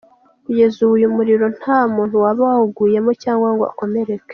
Kugeza ubu uyu muriro nta muntu waba wawuguyemo cyangwa ngo akomereke.